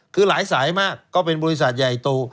คือหลายสายมากก็เป็นบริษัทใหญ่โต